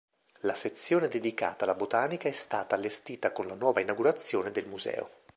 La sezione dedicata alla botanica è stata allestita con la nuova inaugurazione del museo.